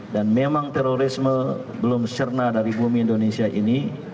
dan memang terorisme belum cerna dari bumi indonesia ini